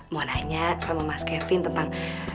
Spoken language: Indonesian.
mau nanya sama mas kevin tentang